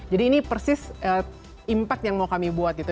jadi ini persis impact yang mau kami buat gitu